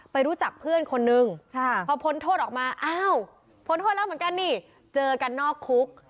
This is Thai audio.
ไปรู้จักเพื่อนคนนึงพอพ้นโทษออกมาอ้าวพ้นโทษแล้วเหมือนกันนี่เจอกันนอกคุก